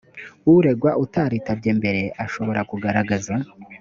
uregwa utaritabye mbere ashobora kugaragaza